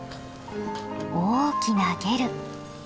大きなゲル。